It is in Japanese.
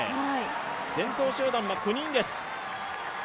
先頭集団は９人です。